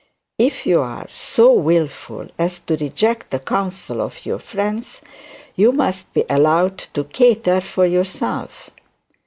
If you are so wilful as to reject the counsel of your friends, you must be allowed to cater for yourself.